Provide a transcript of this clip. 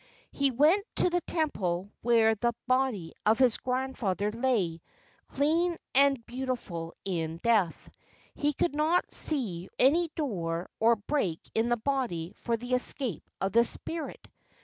He went to the temple where the body of his grandfather lay, clean and beau¬ tiful in death. He could not see any door or break in the body for the escape of the spirit.